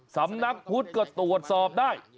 สำนักพุทธก็ตรวจสอบได้